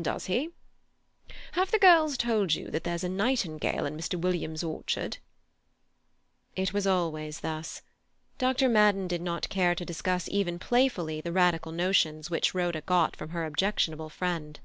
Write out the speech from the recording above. "Does he? Have the girls told you that there's a nightingale in Mr. Williams's orchard?" It was always thus. Dr. Madden did not care to discuss even playfully the radical notions which Rhoda got from her objectionable friend.